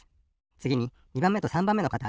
つぎに２ばんめと３ばんめのかた